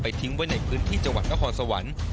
ทิ้งไว้ในพื้นที่จังหวัดนครสวรรค์